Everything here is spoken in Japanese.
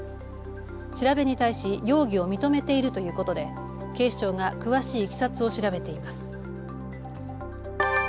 調べに対し容疑を認めているということで警視庁が詳しいいきさつを調べています。